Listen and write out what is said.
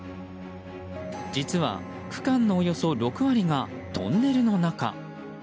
実は、区間のおよそ６割がトンネルの中。